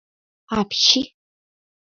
Апчи!